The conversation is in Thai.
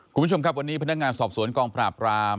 คุณผู้ชมครับวันนี้พนักงานสอบสวนกองปราบราม